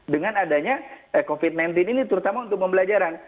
dengan adanya covid sembilan belas ini terutama untuk pembelajaran